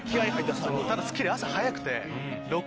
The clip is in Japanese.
ただ『スッキリ』朝早くて。